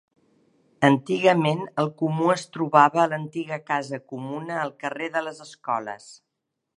Antigament el comú es trobava a l'Antiga Casa Comuna al carrer de les Escoles.